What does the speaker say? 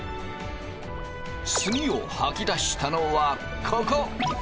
すみを吐き出したのはここ。